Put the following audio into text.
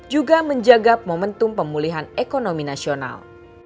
juga menjaga momentum pemulihan ekonomi nasional